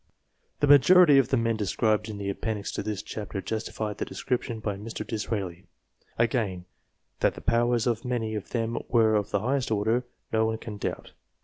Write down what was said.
The majority of the men described in the appendix to this chapter justify the description by Mr. Disraeli. Again, that the powers of many of them were of the highest order, no one can doubt.